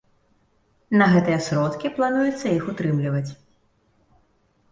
На гэтыя сродкі плануецца іх утрымліваць.